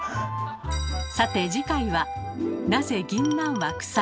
さて次回は「なぜぎんなんはくさい？」